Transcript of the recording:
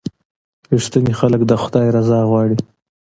• رښتیني خلک د خدای رضا غواړي.